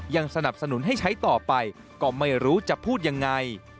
สนับสนุนให้ใช้ต่อไปก็ไม่รู้จะพูดยังไง